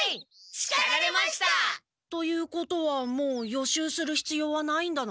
しかられました！ということはもう予習するひつようはないんだな？